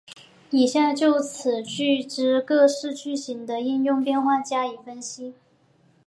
以下就此句之各式句型的应用变化加以分析。